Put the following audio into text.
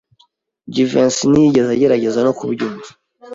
Jivency ntiyigeze agerageza no kubyumva.